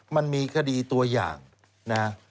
มันมีคดีตัวอย่างนะ